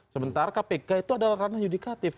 sementara kpk itu adalah ranah yudikatif